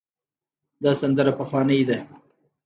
دا سندره پخوانۍ ده.